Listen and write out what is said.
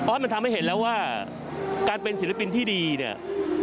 มันทำให้เห็นแล้วว่าการเป็นศิลปินที่ดีเนี่ย